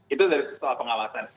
itu dari soal pengawasan